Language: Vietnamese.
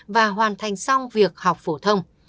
và hoàn thành xong việc học phổ thông